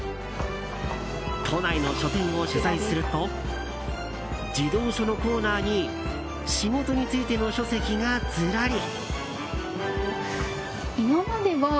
都内の書店を取材すると児童書のコーナーに仕事についての書籍が、ずらり。